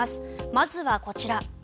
まずはこちら。